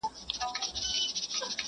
له غاړګیو به لمني تر لندنه ورځي!.